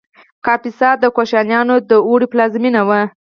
کاپیسا د کوشانیانو د اوړي پلازمینه وه